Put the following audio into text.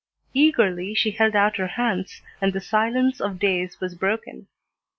Eagerly she held out her hands and the silence of days was broken.